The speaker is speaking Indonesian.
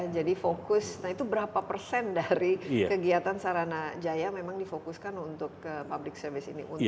fokus nah itu berapa persen dari kegiatan sarana jaya memang difokuskan untuk public service ini